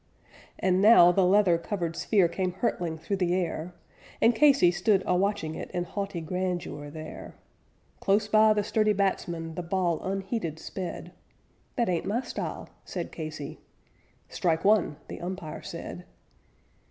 And now the leather covered sphere came hurtling through the air, And Casey stood a watching it in haughty grandeur there; Close by the sturdy batsman the ball unheeded sped: "That ain't my style," said Casey. "Strike one," the umpire said.